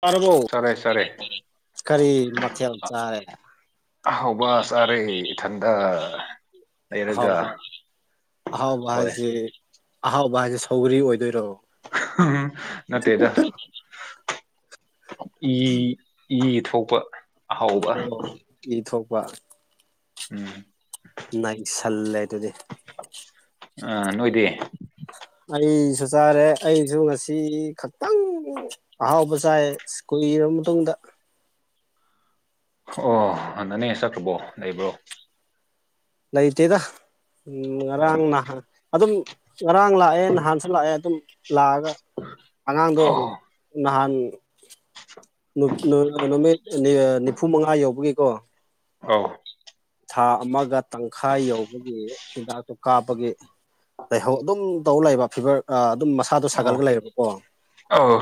ꯄꯔꯕꯧ ꯆꯥꯔꯦ ꯆꯥꯔꯦ ꯀꯔꯤ ꯃꯊꯦꯜ ꯆꯥꯔꯦ ꯍ ꯋꯥ ꯁꯥꯔꯦ ꯊꯟꯗ ꯑꯍꯥꯎꯕ ꯑꯍꯥꯎꯕ ꯍꯣꯏ ꯍꯥꯏꯁꯦ ꯑꯍꯥꯎꯕ ꯍꯥꯏꯁꯦ ꯁꯧꯒꯔꯤ ꯑꯣꯏꯗ ꯔꯣꯑꯣ ꯅꯠꯇꯦꯗ ꯏ ꯏ ꯊꯣꯛꯄ ꯑꯍꯥꯎꯕ ꯑꯣ ꯏ ꯊꯣꯛꯄ ꯎꯝ ꯅ ꯁꯜꯂꯦ ꯇꯗꯤ ꯑ ꯅꯣꯏꯣꯏꯗꯦ ꯑꯩꯁꯨ ꯆꯥꯔꯦ ꯑꯩꯁꯨ ꯉꯁꯤ ꯈꯛꯇꯪ ꯑꯍꯥꯎꯕ ꯆꯥꯏꯨ ꯂꯨ ꯃꯇꯨꯡꯗ ꯑꯣ ꯑꯅꯅꯦ ꯆꯠꯇ꯭ꯔꯕꯣ ꯂꯩꯕ꯭ꯔꯣ ꯂꯩꯣꯏꯇꯩꯗ ꯎꯝ ꯑꯣ ꯉꯔꯥꯡ ꯅꯍꯥꯟ ꯑꯗꯨꯝ ꯉꯔꯥꯡ ꯂꯥꯛꯑꯦ ꯅꯍꯥꯟꯁꯨ ꯂꯥꯛꯑꯦ ꯑꯗꯨꯝ ꯂꯥꯛꯑꯒ ꯑꯉꯥꯡꯗꯣ ꯑꯣ ꯅꯍꯥꯟ ꯅꯨꯃꯤꯠ ꯅꯤꯐꯨ ꯃꯉꯥ ꯌꯧꯕꯒꯤꯀꯣ ꯑ ꯊꯥ ꯑꯃꯒ ꯇꯪꯈꯥꯏ ꯌꯧꯕꯒꯤ ꯍꯤꯟꯗꯥꯛꯇꯨ ꯀꯥꯞꯄꯒꯤ ꯂꯩꯍꯧ ꯑꯗꯨꯝ ꯇꯧ ꯂꯩꯕ ꯐꯤꯚꯔ ꯑꯗꯨꯝ ꯃꯁꯥꯗꯣ ꯑꯣ ꯁꯥꯒꯠꯂꯒ ꯂꯩꯔꯕꯀꯣ ꯑꯧ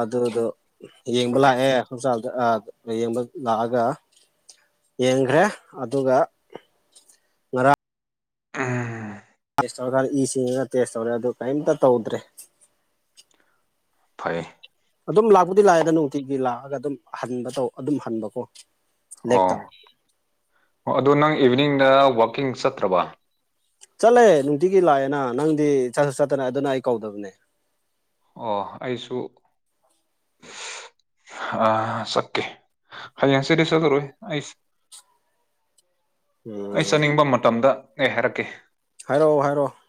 ꯑꯗꯨꯗꯣ ꯌꯦꯡꯕ ꯂꯥꯛꯑꯦ ꯍꯣꯁꯄꯤꯇꯥꯜꯗ ꯌꯦꯡꯕ ꯂꯥꯛꯑꯒ ꯌꯦꯡꯈ꯭ꯔꯦ ꯑꯗꯨꯒ ꯉꯔꯥꯡ ꯎꯝ ꯇ ꯇꯧꯔ ꯈ ꯏ ꯆꯁꯤꯡꯉꯒ ꯇꯦꯁ ꯇꯧꯔꯦ ꯑꯗꯨ ꯀꯔꯤꯝꯇ ꯇꯧꯗ꯭ꯔꯦ ꯐꯔꯌꯦꯦ ꯑꯗꯨꯝ ꯂꯥꯛꯄꯨꯗꯤ ꯂꯥꯛꯑꯦꯗ ꯅꯨꯡꯇꯤꯒꯤ ꯂꯥꯛꯑꯒ ꯑꯗꯨꯝ ꯍꯟꯕ ꯇꯧ ꯑꯗꯨꯝ ꯍꯟꯕꯀꯣ ꯑꯣ ꯂꯦꯛꯇꯕ ꯑꯣ ꯑꯗꯨ ꯅꯪ ꯏꯚꯤꯅꯤꯡꯗ ꯋꯥꯛꯀꯤꯡ ꯆꯠꯇ꯭ꯔꯕ ꯆꯠꯂꯦ ꯅꯨꯡꯇꯤꯒꯤ ꯂꯥꯛꯑꯦꯅ ꯅꯪꯗꯤ ꯆꯠ ꯆꯠꯇꯅ ꯑꯗꯨꯅ ꯑꯩ ꯀꯧꯗꯕꯅꯦ ꯑꯣ ꯑꯩꯁꯨ ꯑ ꯆꯀꯦ ꯍꯩ ꯑꯁꯁ ꯇꯔꯏ ꯑ ꯎ ꯑꯩ ꯆꯥꯅꯤꯡꯕ ꯃꯇꯝꯗ ꯑꯦ ꯍꯥꯏꯔꯛꯀꯦ ꯍꯥꯏꯔꯛꯑꯣ ꯍꯥꯏꯔꯛꯑꯣ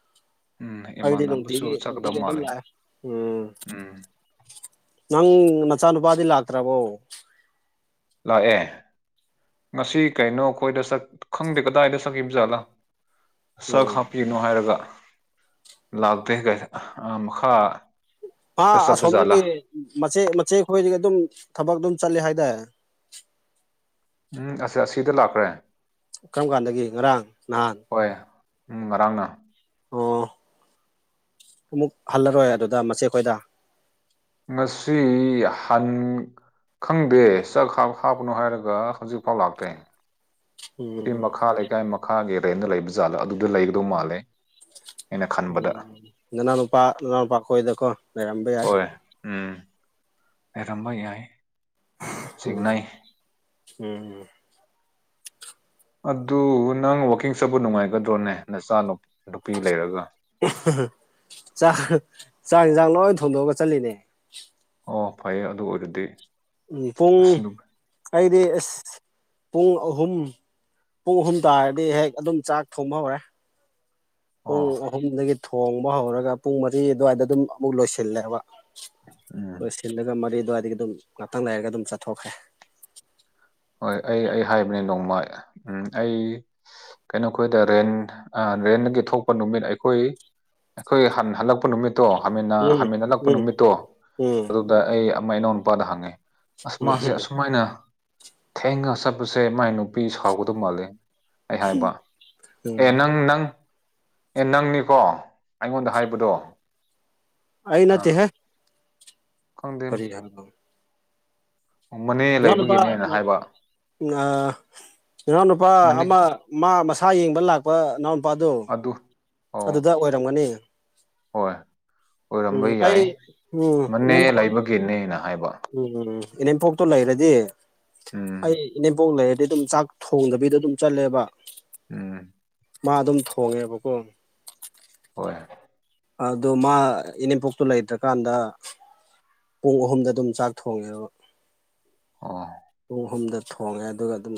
ꯎꯝ ꯑꯩꯗꯤ ꯅꯨꯡꯇꯤꯒꯤ ꯏꯃꯥꯟꯅꯕꯁꯨ ꯅꯨꯡꯇꯤꯒꯤ ꯆꯠꯀꯗꯕ ꯑꯗꯨꯝ ꯃꯥꯜꯂꯦ ꯂꯥꯛꯑꯦ ꯎꯝ ꯎꯝ ꯅꯪ ꯅꯆꯥꯅꯨꯄꯥꯗꯤ ꯂꯥꯛꯇ꯭ꯔꯕꯣ ꯥꯛꯑꯦ ꯉꯁꯤ ꯀꯩꯅꯣ ꯑꯩꯈꯣꯏꯗ ꯈꯪꯗꯦ ꯀꯗꯥꯏꯗ ꯁꯛꯈꯤꯕꯕ ꯖꯥꯠꯂꯥ ꯁꯛ ꯎꯝ ꯍꯥꯞꯄꯤꯅꯣ ꯍꯥꯏꯔꯒ ꯂꯥꯛꯇꯦ ꯀꯥꯏ ꯃꯈꯥ ꯍꯥ ꯑꯁꯣꯝꯗꯒꯤ ꯃꯆꯦ ꯃꯆꯦ ꯑꯩꯈꯣꯏꯗꯒꯤ ꯑꯗꯨꯝ ꯊꯕꯛ ꯑꯗꯨꯝ ꯆꯠꯂꯦ ꯍꯥꯏꯗ ꯎꯝ ꯑꯁ ꯑꯁꯤꯗ ꯂꯥꯛꯈ꯭ꯔꯦ ꯀꯔꯝ ꯀꯥꯟꯗꯒꯤ ꯉꯔꯥꯡ ꯅꯍꯥꯟ ꯍꯣꯏ ꯎꯝ ꯉꯔꯥꯡꯅ ꯑꯣ ꯑꯃꯨꯛ ꯍꯜꯂꯔꯣꯏ ꯑꯗꯨꯗ ꯃꯆꯦꯈꯣꯏꯗ ꯉꯁꯤ ꯍꯟ ꯈꯪꯗꯦ ꯆ ꯍꯥꯞꯄꯅꯣ ꯍꯥꯏꯔꯒ ꯍꯧꯖꯤꯛꯐꯥꯎ ꯂꯥꯛꯇ꯭ꯔꯦ ꯁꯤ ꯎꯝ ꯃꯈꯥ ꯂꯩꯀꯥꯏ ꯃꯈꯥꯒꯤꯔꯅ ꯂꯩꯕ ꯖꯥꯠꯂꯣ ꯑꯗꯨꯗ ꯂꯩꯒꯗꯧ ꯃꯥꯜꯂꯦ ꯑꯩꯅ ꯈꯟꯕꯗ ꯅꯅ ꯄꯥ ꯅꯥꯟ ꯄꯥ ꯀꯣꯣꯏꯗꯀꯣ ꯍꯣꯏ ꯎꯝ ꯌꯥꯔꯝꯕ ꯌꯥꯏ ꯆꯤꯡꯅꯩ ꯎꯝ ꯎꯝ ꯑꯗꯨ ꯅꯪ ꯋꯥꯛꯀꯤꯡ ꯆꯠꯄ ꯅꯨꯡꯉꯥꯏꯒꯗ꯭ꯔꯣꯅꯦ ꯅ ꯆꯥꯂꯣ ꯆꯥ ꯆ ꯌꯦꯟꯖꯥꯡ ꯂꯣꯏ ꯊꯣꯡꯗꯣꯛꯑꯒ ꯆꯠꯂꯤꯅꯦ ꯑꯣ ꯐꯩꯌꯦ ꯑꯗꯨ ꯑꯣꯏꯔꯗꯤ ꯎꯝ ꯄꯨꯡ ꯑꯁ ꯅꯨ ꯑꯩꯗꯤ ꯑꯦꯁ ꯄꯨꯡ ꯑꯍꯨꯝ ꯄꯨꯡ ꯑꯍꯨꯝ ꯇꯥꯔꯗꯤ ꯍꯦꯛ ꯑꯗꯨꯝ ꯆꯥꯛ ꯊꯣꯡꯕ ꯍꯧꯔꯦ ꯑꯣ ꯄꯨꯡ ꯑꯍꯨꯝꯗꯒꯤ ꯊꯣꯡꯕ ꯍꯧꯔꯒ ꯄꯨꯡ ꯃꯔꯤ ꯑꯗꯨꯋꯥꯏꯗ ꯑꯗꯨꯝ ꯑꯃꯨꯛ ꯂꯣꯏꯁꯤꯜꯂꯦꯕ ꯎꯝ ꯍꯣꯏ ꯁꯤꯜꯂꯒ ꯃꯔꯤ ꯑꯗꯨꯋꯥꯏꯗꯒꯤ ꯑꯗꯨꯝ ꯉꯥꯛꯇꯪ ꯂꯩꯔꯒ ꯑꯗꯨꯝ ꯆꯠꯊꯣꯛꯈ꯭ꯔꯦ ꯍꯣꯏ ꯑꯩ ꯑꯩ ꯍꯥꯏꯕꯅꯦ ꯅꯣꯡꯃ ꯎꯝ ꯑꯩ ꯀꯩꯅꯣꯈꯣꯏꯗ ꯔꯦꯟ ꯔꯦꯟꯗꯒꯤ ꯊꯣꯛꯄ ꯅꯨꯃꯤꯠ ꯑꯩꯈꯣꯏ ꯑꯩꯈꯣꯏ ꯍ ꯍꯜꯂꯛꯄ ꯅꯨꯃꯤꯠ ꯠꯇꯣ ꯍꯥꯃꯦꯟꯅ ꯎꯝ ꯍꯥꯃꯦꯟꯅ ꯅꯛꯄ ꯎꯝ ꯅꯨꯃꯤꯠꯇꯣ ꯎꯝ ꯑꯗꯨꯗ ꯑꯩ ꯑꯃ ꯏꯅꯥꯎ ꯅꯨꯄꯥꯗ ꯍꯪꯉꯦ ꯑꯁꯃꯥꯁꯦ ꯎꯝ ꯑꯁꯨꯃꯥꯏꯅ ꯊꯦꯡꯒ ꯆꯠꯄꯁꯦ ꯃꯥꯏ ꯅꯨꯄꯤ ꯁꯥꯎꯒꯗꯧ ꯃꯥꯜꯂꯦ ꯑꯩ ꯍꯥꯏꯕ ꯑꯦ ꯎꯝ ꯅꯪ ꯅꯪ ꯑꯦ ꯅꯪꯅꯤꯀꯣ ꯑꯩꯉꯣꯟꯗ ꯍꯥꯏꯕꯗꯣ ꯑꯩ ꯅꯠꯇ ꯑꯥ ꯍꯦ ꯈꯪꯗꯦ ꯐꯔꯤ ꯍꯥꯏ ꯃꯅꯦ ꯏꯍꯥ ꯅꯨꯄꯥ ꯂꯩꯕꯒꯤꯅꯦꯅ ꯑ ꯍꯥꯏꯕ ꯅꯍꯎ ꯅꯨꯄꯥ ꯃꯅꯦ ꯑꯃ ꯃꯥ ꯃꯁꯥ ꯁꯥ ꯌꯦꯡꯕ ꯂꯥꯛꯄ ꯅꯅꯥꯎꯅꯨꯄꯥꯗꯣ ꯑꯗꯨ ꯑꯣ ꯑꯗꯨꯗ ꯑꯣꯏꯔꯝꯒꯅꯤ ꯍꯣꯏ ꯑꯣꯏꯔꯝꯕ ꯎꯝ ꯌꯥꯏ ꯑꯩ ꯎꯝ ꯃꯅꯦ ꯏꯅꯦꯝꯄꯣꯛ ꯂꯩꯕꯒꯤꯅꯦꯅ ꯍꯥꯏꯕ ꯎꯝ ꯏꯅꯦꯝꯄꯣꯛꯇꯣ ꯂꯩꯔꯗꯤ ꯎꯝ ꯑꯩ ꯏꯅꯦꯝꯄꯣꯛ ꯂꯩꯔ ꯑ ꯑꯗꯨꯝ ꯆꯥꯛ ꯊꯣꯡꯗꯕꯤꯗꯣ ꯑꯗꯨꯝ ꯆꯠꯂꯦꯕ ꯎꯝ ꯃꯥ ꯑꯗꯨꯝ ꯊꯣꯡꯉꯦꯕꯀꯣ ꯍꯣꯏ ꯑꯗꯨ ꯃꯥ ꯏꯅꯦꯝꯄꯣꯛꯇꯨ ꯂꯩꯇ꯭ꯔꯀꯥꯟꯗ ꯄꯨꯡ ꯑꯍꯨꯝꯗ ꯑꯗꯨꯝ ꯆꯥꯛ ꯊꯣꯡꯉꯦꯕ ꯑꯣ ꯄꯨꯡ ꯑꯍꯨꯝꯗ ꯊꯣꯡꯉꯦ ꯑꯗꯨꯒ ꯑꯗꯨꯝ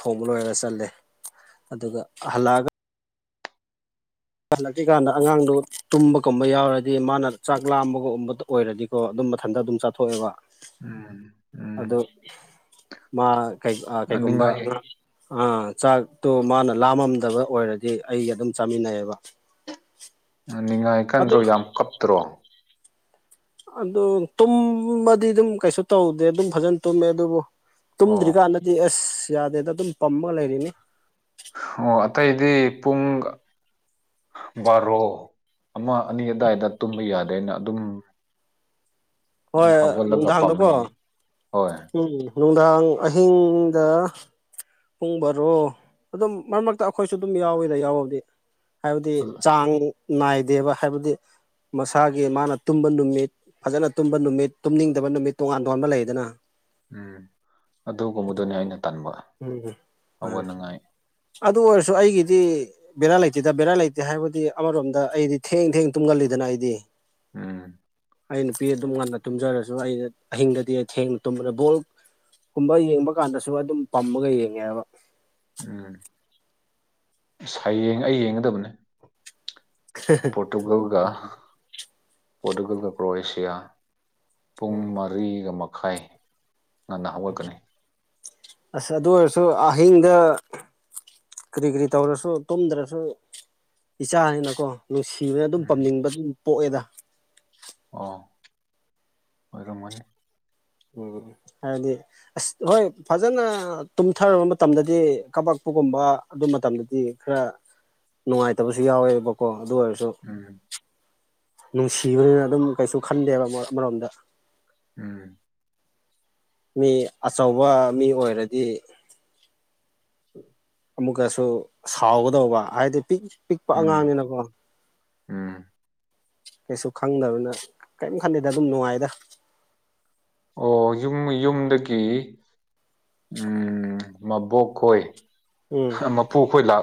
ꯊꯣꯡꯕ ꯂꯣꯏꯔꯒ ꯆꯠꯂꯦ ꯑꯗꯨꯒ ꯍꯜꯂꯛꯑꯒ ꯍꯜꯂꯛꯀꯤꯀꯥꯟꯗ ꯑꯉꯥꯡꯗꯨ ꯇꯨꯝꯕꯒꯨꯝꯕ ꯌꯥꯎꯔꯗꯤ ꯃꯥꯅ ꯆꯥꯛ ꯂꯥꯝꯕꯒꯨꯝꯕꯗ ꯑꯣꯏꯔꯗꯤꯀꯣ ꯑꯗꯨꯝ ꯃꯊꯟꯇ ꯑꯗꯨꯝ ꯆꯥꯊꯣꯛꯑꯦꯕ ꯎꯝ ꯑꯗꯨ ꯎꯝ ꯃꯥ ꯀꯩꯒꯨꯝꯕꯥꯡ ꯅꯤꯡꯉꯥꯏ ꯑꯥ ꯆꯥꯛꯇꯨ ꯃꯥꯅ ꯂꯥꯝꯃꯝꯗꯕ ꯑꯣꯏꯔꯗꯤ ꯑꯩ ꯑꯗꯨꯝ ꯆꯥꯃꯤꯟꯅꯩꯌꯦꯕ ꯅꯤꯡꯉꯥꯏ ꯑꯗꯨ ꯈꯟꯗ꯭ꯔꯣ ꯌꯥꯝ ꯀꯞꯇ꯭ꯔꯣ ꯑꯗꯨ ꯇꯨꯝꯃꯗꯤ ꯑꯗꯨꯝ ꯀꯩꯁꯨ ꯇꯧꯗꯦ ꯑꯗꯨꯝ ꯐꯖꯅ ꯇꯨꯝꯃꯦ ꯑꯗꯨꯕꯨ ꯑꯣ ꯇꯨꯝꯗ꯭ꯔꯤꯀꯥꯟꯗꯗꯤ ꯑꯁ ꯌꯥꯗꯦꯗ ꯑꯗꯨꯝ ꯄꯝꯃꯒ ꯂꯩꯔꯤꯅꯤ ꯑꯣ ꯑꯇꯩꯗꯤ ꯄꯨꯡ ꯕꯥꯔꯣ ꯑꯃ ꯑꯅꯤ ꯑꯗꯨꯋꯥꯏꯗ ꯇꯨꯝꯕ ꯌꯥꯗꯦꯅ ꯑꯗꯨꯝ ꯍꯣꯏ ꯍꯧꯒꯠꯂꯒ ꯄꯥꯝꯃꯦ ꯅꯨꯡꯗꯥꯡꯗꯀꯣ ꯍꯣꯏ ꯎꯝ ꯅꯨꯡꯗꯥꯡ ꯑꯍꯤꯡꯗ ꯄꯨꯡꯕꯔꯣ ꯑꯗꯨꯝ ꯃꯔꯛ ꯃꯔꯛꯇ ꯑꯩꯈꯣꯏꯁꯨ ꯑꯗꯨꯝ ꯌꯥꯎꯋꯤꯗ ꯌꯥꯎꯕꯕꯗꯤ ꯍꯥꯏꯕꯗꯤ ꯆꯥꯡ ꯅꯥꯏꯗꯦꯕ ꯍꯥꯏꯕꯗꯤ ꯃꯁꯥꯒꯤ ꯃꯥꯅ ꯇꯨꯝꯕ ꯅꯨꯃꯤꯠ ꯐꯖꯅ ꯇꯨꯝꯕ ꯅꯨꯃꯤꯠ ꯇꯨꯝꯅꯤꯡꯗꯕ ꯅꯨꯃꯤꯠ ꯇꯣꯉꯥꯟ ꯇꯣꯉꯥꯟꯕ ꯂꯩꯗꯅ ꯎꯝ ꯑꯗꯨꯒꯨꯝꯕꯗꯨꯅꯦ ꯑꯩꯅ ꯇꯟꯕ ꯎꯝ ꯐꯣꯏ ꯍꯧꯒꯠꯅꯉꯥꯏ ꯑꯗꯨ ꯑꯣꯏꯔꯁꯨ ꯑꯩꯒꯤꯗꯤ ꯕꯦꯔꯥ ꯂꯩꯇꯦꯗ ꯕꯦꯔꯥ ꯂꯩꯇꯦ ꯍꯥꯏꯕꯗꯤ ꯑꯃꯔꯣꯝꯗ ꯑꯩꯗꯤ ꯊꯦꯡ ꯊꯦꯡ ꯇꯨꯝꯒꯜꯂꯤꯗꯅ ꯆꯅꯏꯗꯤ ꯎꯝ [inaudible] ꯑꯩ ꯅꯨꯄꯤ ꯑꯗꯨꯝ ꯉꯟꯅ ꯇꯨꯝꯖꯔꯁꯨ ꯑꯩꯩꯅ ꯑꯍꯤꯡꯗꯗꯤ ꯊꯦꯡꯅ ꯇꯨꯝꯕꯗ ꯕꯣꯜ ꯨꯝꯕ ꯌꯦꯡꯕ ꯀꯥꯟꯗꯁꯨ ꯑꯗꯨꯝ ꯄꯝꯃꯒ ꯌꯦꯡꯉꯦꯕ ꯎꯝꯁꯥꯏ ꯌꯦꯡ ꯑꯩ ꯌꯦꯡꯒꯗꯕꯅꯦ ꯄꯇꯨꯒꯜꯒ ꯄꯣꯔꯇꯨꯒꯜꯒ ꯀ꯭ꯔꯣꯌꯦꯁꯤꯌꯥ ꯄꯨꯡ ꯃꯔꯤꯒ ꯃꯈꯥꯏ ꯉꯟꯅ ꯍꯧꯒꯠꯀꯅꯤ ꯑꯁ ꯑꯗꯨ ꯑꯣꯏꯔꯁꯨ ꯑꯍꯤꯡꯗ ꯀꯔꯤ ꯀꯔꯤ ꯇꯧꯔꯁꯨ ꯇꯨꯝꯗ꯭ꯔꯁꯨ ꯏꯆꯥꯅꯤꯅꯀꯣ ꯅꯨꯡꯁꯤꯕꯅ ꯑꯗꯨꯝ ꯎꯝ ꯄꯥꯝꯅꯤꯡꯕ ꯑꯗꯨꯝ ꯄꯣꯛꯑꯦꯗ ꯑꯣ ꯑꯣꯏ ꯃꯅꯤ ꯎꯝ ꯍꯥꯏꯗꯤ ꯑꯁ ꯍꯣꯏ ꯐꯖꯅ ꯇꯨꯝꯊꯔꯕ ꯃꯇꯝꯗꯗꯤ ꯀꯕꯛ ꯑꯄꯒꯨꯝꯕ ꯑꯗꯨ ꯃꯇꯝꯗꯗꯤ ꯈꯔ ꯅꯨꯡꯉꯥꯏꯇꯕꯁꯨ ꯌꯥꯎꯋꯦꯕꯀꯣ ꯑꯗꯨ ꯑꯣꯏꯔꯁꯨ ꯎꯝ ꯅꯨꯡꯁꯤꯕꯅꯤꯅ ꯑꯗꯨꯝ ꯀꯩꯁꯨ ꯈꯟꯗꯦꯕ ꯑꯃꯔꯣꯝꯗ ꯎꯝ ꯃꯤ ꯑꯆꯧꯕ ꯃꯤ ꯑꯣꯏꯔꯗꯤ ꯎꯝ [inaudible] ꯑꯃꯨꯛꯀꯁꯨ ꯁꯥꯎꯒꯗꯧꯕ ꯍꯥꯏꯗꯤ ꯄꯤꯛꯏ ꯑꯄꯤꯤꯛꯄ ꯎꯝ ꯑꯉꯥꯡꯅꯤꯅꯀꯣ ꯎꯝ ꯀꯩꯁꯨ ꯈꯪꯗꯕꯅ ꯀꯔꯤꯝ ꯈꯜꯂꯤꯦꯗ ꯑꯗꯨꯝ ꯅꯨꯡꯉꯥꯏꯗ ꯑꯣ ꯌꯨꯝ ꯌꯨꯝꯗꯒꯤ ꯎꯝ ꯃꯕꯣꯛ ꯈꯣꯏ ꯎꯝ ꯃꯄꯨꯈꯣꯏ ꯂꯥ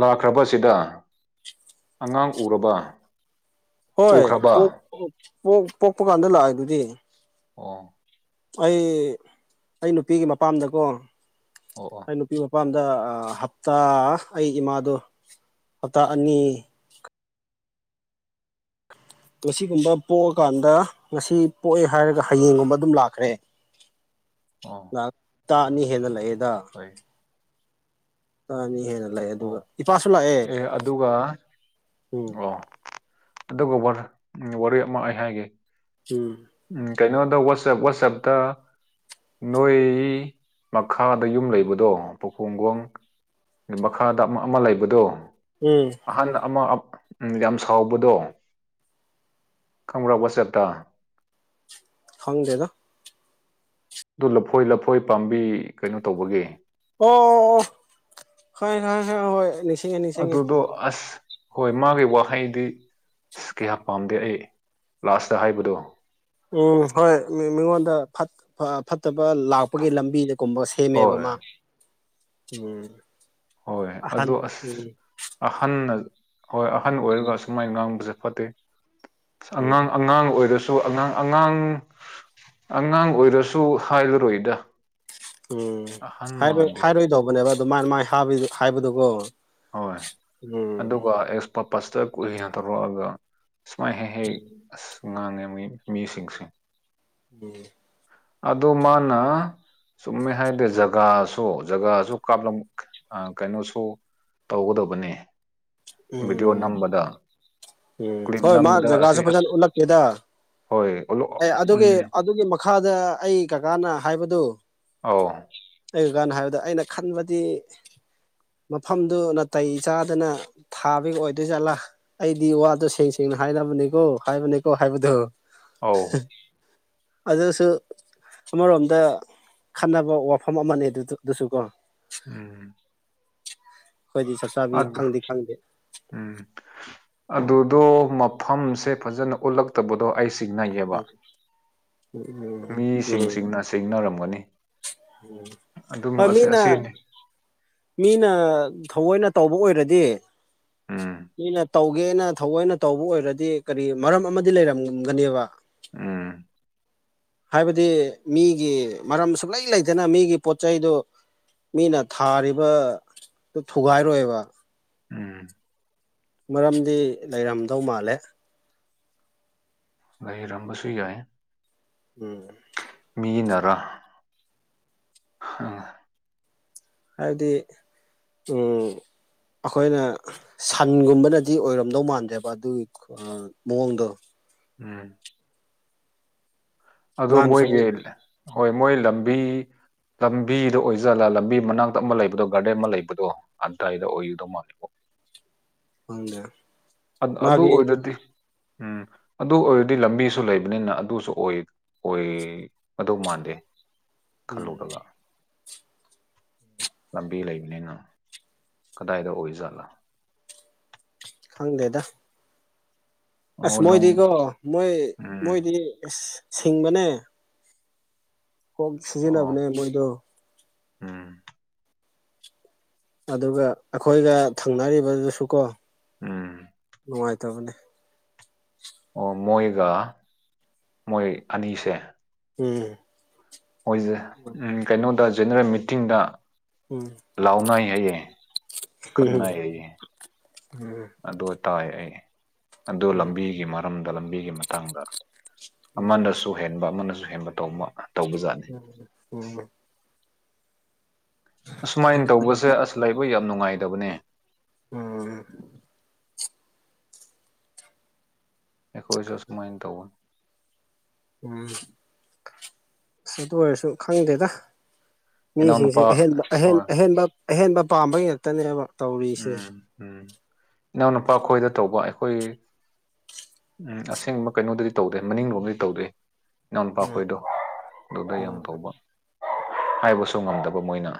ꯂꯥꯛꯈ꯭ꯔꯕꯁꯤꯗ ꯑꯉꯥꯡ ꯎꯔꯕ ꯍꯣꯏ ꯎꯈ꯭ꯔꯕ ꯄꯣꯛꯄ ꯀꯥꯟꯗ ꯂꯥꯛꯑꯦ ꯑꯗꯨꯗꯤ ꯑꯣ ꯑꯩ ꯑꯩ ꯅꯨꯄꯤꯒꯤ ꯃꯄꯥꯝꯗꯀꯣ ꯑꯣ ꯑꯣ ꯑꯩ ꯅꯨꯄꯤ ꯃꯄꯥ ꯑꯄꯥꯝꯗ ꯍꯞꯇꯥ ꯑꯩ ꯏꯃꯥꯗꯣ ꯍꯞꯇꯥ ꯑꯅꯤ ꯉꯒꯨꯝꯕ ꯄꯣꯛꯑꯀꯥꯟꯗ ꯉꯁꯤ ꯄꯣꯛꯑꯦ ꯍꯥꯏꯔꯒ ꯍꯌꯦꯡꯒꯨꯝꯕ ꯑꯗꯨꯝ ꯂꯥꯛꯈ꯭ꯔꯦ [inaudible] [unintelligible] ꯑ [inaudible] ꯇꯇꯥ ꯑꯅꯤ ꯍꯦꯟꯅ ꯂꯥꯛꯑꯦꯗ ꯑ ꯑꯅꯤ ꯍꯦꯟꯅ ꯂꯥꯛꯑꯦ ꯑꯗꯨꯒ ꯑꯣ ꯏꯄꯥꯁꯨ ꯂꯥꯛꯑꯦ ꯑꯦ ꯑꯗꯨꯒ ꯎꯝ ꯑꯣ ꯑꯗꯨꯒ ꯋꯥꯔꯤ ꯑꯃ ꯑꯩ ꯍꯥꯏꯒꯦ ꯎꯝ ꯎꯝ ꯀꯩꯅꯣꯗ ꯋꯥꯁ ꯋꯥꯁꯑꯞꯇ ꯅꯣꯏ ꯃꯈꯥꯗ ꯌꯨꯝ ꯂꯩꯕꯗꯣ ꯄꯨꯈꯣꯡꯒꯣꯡ ꯃꯈꯥꯗ ꯑꯃ ꯑꯃ ꯂꯩꯕꯗꯣ ꯎꯝ ꯑꯍꯟ ꯑꯃ ꯎꯝ ꯌꯥꯝ ꯁꯥꯎꯕꯗꯣ ꯈꯪꯕ꯭ꯔꯥ ꯋꯥꯆꯦꯞꯇ ꯐꯪꯗꯦꯗꯣ ꯑꯗꯨ ꯂꯐꯣꯏ ꯂꯐꯣꯏ ꯄꯥꯝꯕꯤ ꯀꯩꯅꯣ ꯇꯧꯕꯒꯤꯦ ꯑꯣ ꯍ ꯍ ꯍ ꯍ ꯑꯗꯨꯗꯣ ꯑꯁ ꯍꯣꯏ ꯃꯥꯒꯤ ꯋꯥꯍꯩꯗꯤ ꯑ ꯀꯌꯥ ꯄꯥꯝꯗꯦ ꯑꯩ ꯂꯥꯁꯇ ꯍꯥꯏꯕꯗꯣ ꯎꯝ ꯍꯣꯏ ꯃꯤꯉꯣꯟꯗ ꯐꯠꯇꯕ ꯂꯥꯛꯄꯒꯤ ꯂꯝꯕꯤꯗ ꯀꯨꯝꯕ ꯁꯦꯝꯃꯦꯕ ꯍꯣꯏ ꯃꯥ ꯎꯝ ꯍꯣꯏ ꯑꯍꯟ ꯑꯗꯣ ꯎꯝ ꯑꯁ ꯑꯍꯟꯅ ꯍꯣꯏ ꯑꯍꯟ ꯑꯣꯏꯔꯒ ꯑꯁꯨꯃꯥꯏꯅ ꯉꯥꯡꯕꯁꯦ ꯐꯠꯇꯦ ꯑ ꯎꯝ ꯑꯉꯥꯡ ꯑꯉꯥꯡ ꯑꯣꯏꯔꯁꯨ ꯑꯉꯥꯡ ꯑꯉꯥꯡ ꯑꯉꯥꯡ ꯑꯣꯏꯔꯁꯨ ꯍꯥꯏꯂꯔꯣꯏꯗ ꯎꯝ ꯍꯥꯏꯔꯣꯏꯗꯧꯕꯅꯦꯕ ꯑꯗꯨꯃꯥꯏꯅ ꯃꯥꯏ ꯍꯥꯏꯕꯗꯨꯒꯣ ꯍꯣꯏ ꯑꯗꯨꯒ ꯑꯦꯛꯁ ꯄꯄꯁꯇ ꯀꯨꯏꯅ ꯇꯧꯔꯛꯑꯒ ꯁꯨꯃꯥꯏ ꯍꯦꯛ ꯍꯦꯛ ꯑꯁ ꯉꯥꯡꯉꯦ ꯃꯤꯁꯤꯡꯁꯦ ꯎꯝ ꯑꯗꯨꯗ ꯃꯥꯅ ꯆꯨꯝꯃꯦ ꯍꯥꯏꯗꯤ ꯖꯒꯥꯁꯨ ꯖꯒꯥꯁꯨ ꯀꯥꯞꯂꯝ ꯑ ꯀꯩꯅꯣꯁꯨ ꯇꯧꯒꯗꯕꯅꯤ ꯎꯝ ꯎꯝ ꯀ꯭ꯂꯤꯞ ꯍꯣꯏ ꯃꯥ ꯅꯝꯕꯗ ꯑꯁꯤ ꯖꯒꯥꯁꯨꯦ ꯑꯁ ꯐꯖꯅ ꯎꯠꯂꯛꯀꯦꯗ ꯍꯣꯏ ꯑꯣꯂꯣ ꯑꯦ ꯑꯗꯨꯒꯤ ꯎꯝ ꯑꯗꯨꯒꯤ ꯃꯈꯥꯗ ꯑꯩ ꯀꯀꯥꯅ ꯍꯥꯏꯕꯗꯨ ꯑ ꯒꯅ ꯍꯥꯏꯕꯗ ꯑꯩꯅ ꯈꯟꯕꯗꯤ ꯃꯐꯝꯗꯨ ꯅꯥꯇꯩ ꯆꯥꯗꯅ ꯊꯥꯕꯒꯤ ꯑꯣꯏꯗꯣꯏ ꯆꯥꯠꯂꯥ ꯑꯩꯗꯤ ꯋꯥꯗꯣ ꯁꯦꯡꯁ ꯍꯥꯏꯥꯏ ꯂꯕꯅꯤ ꯀꯣ ꯍꯥꯏꯕꯅꯤ ꯀꯣ ꯍꯥꯏꯕꯗꯨ ꯑ ꯑꯗꯁꯨ ꯑꯃꯔꯣꯝꯗ ꯈꯟꯅꯕ ꯋꯥꯐꯝ ꯑꯃꯅꯦ ꯑꯗꯨ ꯑꯗꯨꯁꯨ ꯀꯣ ꯎꯝ ꯑꯩꯈꯣꯏꯗꯤ ꯆꯥꯛ ꯆꯥꯕꯤ ꯑꯗꯨ ꯈꯪꯗꯦ ꯈꯪꯗꯦ ꯎꯝ ꯑꯗꯨꯗꯣ ꯃꯐꯝꯁꯦ ꯐꯖꯅ ꯎꯠꯂꯛꯇꯕꯗꯣ ꯑꯩꯁꯦ ꯁꯤꯡꯅꯩꯌꯦꯕ ꯎꯝ ꯃꯤꯁꯤꯡꯁꯤꯡꯅ ꯁꯤꯡꯅꯔꯝꯒꯅꯤ ꯑꯗꯨ ꯍꯣꯏ ꯃꯤꯅ ꯑꯁꯤꯅꯤ ꯃꯤꯅ ꯊꯑꯣꯏꯅ ꯇꯧꯕ ꯑꯣꯏꯔꯗꯤ ꯎꯝ ꯅꯅ ꯇꯧꯒꯦꯅ ꯊꯑꯣꯏꯅ ꯇꯧꯕ ꯑꯣꯏꯔꯗꯤ ꯀꯔꯤ ꯃꯔꯝ ꯑꯃꯗꯤ ꯂꯩꯔꯝꯒꯅꯦꯕ ꯑꯝ ꯍꯥꯏꯕꯗꯤ ꯃꯤꯒꯤ ꯃꯔꯝ ꯁꯨꯂꯩ ꯂꯩꯇꯅ ꯃꯤꯒꯤ ꯄꯣꯠ ꯆꯩꯗꯨ ꯃꯤꯅ ꯊꯥꯔꯤꯕꯗꯨ ꯊꯨꯒꯥꯏꯔꯣꯏꯕ ꯎꯝ ꯃꯔꯝꯗꯤ ꯂꯩꯔꯝꯗꯧ ꯃꯥꯜꯂꯦ ꯏ ꯔꯪꯕꯁꯨꯏ ꯌꯥꯑ ꯎꯝ ꯃꯤꯅꯔ ꯍꯥꯏꯕꯗꯤ ꯎꯝ ꯑꯩꯈꯣꯏꯅ ꯁꯟꯒꯨꯝꯕꯅꯗꯤ ꯑꯣꯏꯔꯝꯗꯧ ꯃꯥꯟꯗꯦꯕ ꯑꯗꯨꯒꯤ ꯃꯑꯣꯡꯗꯣ ꯎꯝ ꯑꯣ ꯃꯥꯅꯁꯨ ꯃꯣꯏꯒꯤ ꯍꯣꯏ ꯃꯣꯏ ꯂꯝꯕꯤ ꯂꯝꯕꯤꯗ ꯑꯣꯏꯖꯜꯂ ꯂꯝꯕꯤ ꯃꯅꯥꯛꯇ ꯑꯃ ꯂꯩꯕꯗꯣ ꯒꯥꯔꯗꯦꯟ ꯑꯃ ꯂꯩꯕꯗꯣ ꯑꯗꯨꯗꯥꯋꯥꯏꯗ ꯑꯣꯏꯒꯗꯧ ꯃꯥꯜꯜꯂꯤꯕꯣ ꯐꯪꯗ [inaudible] ꯑꯗꯨ ꯑꯣꯏꯔꯗꯤ ꯎꯝ ꯑꯗꯨ ꯑꯣꯏꯔꯗꯤ ꯂꯝꯕꯤꯁꯨ ꯂꯩꯕꯅꯤꯅ ꯑꯗꯨꯁꯨ ꯑꯣꯏ ꯑꯗꯨ ꯃꯥꯟꯗꯦ ꯎꯝ ꯈꯜꯂꯨꯔꯒ ꯂꯝꯕꯤ ꯂꯩꯕꯅꯤꯅꯪ ꯀꯗꯥꯏꯗ ꯑꯣꯏ ꯖꯥꯠꯂꯥ ꯈꯪꯗꯦꯗ ꯑꯁ ꯑꯣ ꯅꯪ ꯃꯣꯏꯗꯤꯀꯣ ꯃꯣꯏ ꯎꯝ ꯃꯣꯏꯗꯤ ꯁꯤꯡꯕꯅꯦ ꯀꯣꯛ ꯑꯣ ꯁꯤꯖꯤꯟꯅꯕꯅꯦ ꯃꯣꯏꯗꯣ ꯎꯝ ꯑꯗꯨꯒ ꯑꯩꯈꯣꯏꯒ ꯊꯪꯅꯔꯤꯕꯗꯨꯁꯨ ꯀꯣ ꯎꯝ [inaudible] ꯅꯨꯡꯉꯥꯏ ꯇꯕꯅꯦ ꯑꯣ ꯃꯣꯏꯒ ꯃꯣꯏ ꯑꯅꯤꯁꯦ ꯎꯝ [inaudible] ꯍꯁꯦ ꯎꯝ ꯀꯩꯅꯣꯗ ꯖꯦꯅꯔꯦꯜ ꯃꯤꯇꯤꯡꯗ ꯎꯝ ꯂꯥꯎꯅꯥꯏ ꯍꯌꯦꯡ ꯈꯔꯅꯥ ꯂꯩꯏ ꯎꯝ ꯇꯥꯏ ꯑꯗꯨ ꯎꯝ ꯂꯝꯕꯤꯒꯤ ꯃꯔꯝꯗ ꯂꯝꯕꯤꯒꯤ ꯃꯇꯥꯡꯗ ꯎꯝ ꯑꯃꯅꯁꯨ ꯍꯦꯟꯕ ꯑꯃꯅꯁꯨ ꯑꯦꯟꯕ ꯇꯧꯕ ꯑꯃ ꯎꯝ ꯎꯝ ꯑꯁꯨꯃꯥꯏꯅ ꯈꯪꯗꯦꯗ ꯇꯧꯕꯁꯦ ꯑꯁ ꯂꯩꯕ ꯌꯥꯝ ꯅꯨꯡꯉꯥꯏꯇꯕꯅꯤ ꯎꯝ ꯑꯩꯈꯣꯏꯁꯨ ꯁꯨꯃꯥꯏꯅ ꯇꯧꯋ ꯎꯝ ꯑꯁ ꯑꯗꯨ ꯑꯣꯏꯔꯁꯨ ꯈꯪꯗꯦꯗ ꯃꯤꯁꯤꯡꯁꯦ ꯏꯅꯥꯎꯅꯨꯄꯥ ꯑꯍꯦꯟꯕ ꯑꯍꯦꯟ ꯍꯣꯏ ꯑꯍꯦꯟꯕ ꯑꯍꯦꯟꯕ ꯄꯥꯝꯕ ꯉꯥꯛꯛꯇꯅꯦꯕ ꯎꯝ ꯎꯝ ꯏꯅꯥꯎꯅꯨꯄꯥ ꯑꯩꯈꯣꯏꯗ ꯇꯧꯕ ꯑꯩꯈꯣꯏ ꯎ ꯑꯁꯦꯡꯕ ꯀꯩꯅꯣꯗꯗꯤ ꯇꯧꯗꯦ ꯃꯅꯤꯡꯂꯣꯝꯗꯤ ꯇꯧꯗꯦ ꯎꯝ ꯏꯥꯟꯄꯥꯛꯈꯣꯏꯗꯣ ꯑꯗꯨꯗ ꯌꯥꯝ ꯎꯝ ꯇꯧꯕ ꯍꯥꯏꯕꯁꯨ ꯉꯝꯗꯕ ꯃꯣꯏꯅ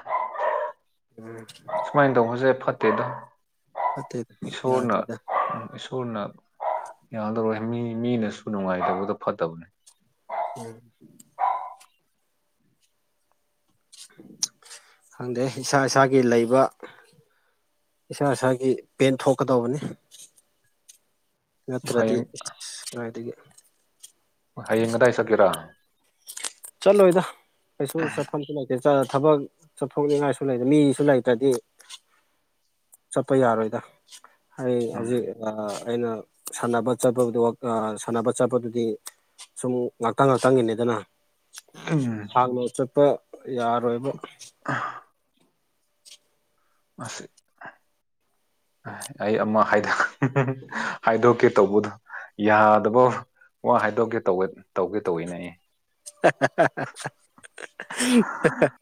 ꯎꯝ [unintelligible] [inaudible] ꯅꯠꯇꯦꯗ ꯐꯠꯇꯦꯗ ꯏꯁꯣꯔꯅ ꯌꯥꯗꯦꯗ ꯎ ꯏꯁꯣꯔꯅ ꯌꯥꯗꯧꯔꯣꯏ ꯃꯤ ꯃꯤꯅꯁꯨ ꯅꯨꯡꯉꯥꯏꯇꯕꯗ ꯐꯠꯇꯕꯅꯦ ꯎꯝ ꯈꯪꯗꯦ ꯏꯁꯥ ꯏꯁꯥꯒꯤ ꯂꯩꯕ ꯏꯁꯥ ꯏꯁꯥꯒꯤ ꯄꯦꯟ ꯊꯣꯛꯀꯗꯧꯕꯅꯤ ꯅꯠꯇ꯭ꯔꯗꯤ ꯍꯌꯦꯡ ꯑꯗꯨꯗꯒꯤ ꯍꯌꯦꯡ ꯉꯗꯥꯏ ꯁꯛꯀꯦꯔꯥ ꯆꯂꯣ ꯑꯣꯏꯗ ꯄꯩꯁꯨꯣꯁ ꯐꯣꯟ ꯊꯕꯛ ꯆꯠꯊꯣꯛꯅꯤꯡꯉꯥꯏꯁꯨ ꯂꯩꯇꯦ ꯃꯤꯁꯨ ꯂꯩꯇ꯭ꯔꯗꯤ ꯆꯠꯄ ꯌꯥꯔꯣꯏꯗ ꯑꯩ ꯍꯧꯖꯤꯛ ꯎꯝ ꯑꯩꯅ ꯁꯥꯟꯅꯕ ꯆꯠꯄꯗ ꯁꯥꯟꯅꯕ ꯆꯠꯄꯗꯨꯗꯤ ꯁꯨꯝ ꯉꯥꯛꯇꯪ ꯉꯥꯛꯇꯪꯒꯤꯅꯦ ꯑꯗꯨꯅ ꯎꯝ ꯍꯥꯟꯅ ꯆꯠꯄ ꯌꯥꯔꯣꯏꯕ ꯑ [unintelligible] [inaudible] ꯃꯥꯁꯤꯦ ꯑꯩ ꯑꯃ ꯍꯥꯏꯗꯣꯛꯀꯦ ꯇꯧꯕꯗꯣ ꯌꯥꯗꯕ ꯋꯥ ꯍꯥꯏꯗꯣꯛꯀꯦ ꯇꯧ ꯇꯧꯒꯦ ꯇꯧꯋꯤꯅꯦ ꯑꯩ [unintelligible] [inaudible]